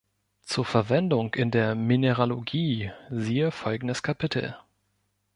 Zur Verwendung in der Mineralogie siehe folgendes Kapitel.